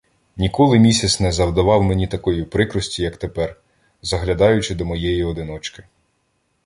Ніколи місяць не завдавав мені такої прикрості, як тепер, заглядаючи до моєї одиночки.